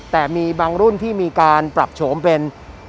แต่มีบางรุ่นที่มีการปรับโฉมเป็น